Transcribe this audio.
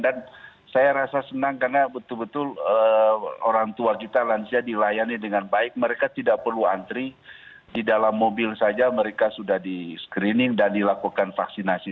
dan saya rasa senang karena betul betul orang tua juta lansia dilayani dengan baik mereka tidak perlu antri di dalam mobil saja mereka sudah di screening dan dilakukan vaksinasi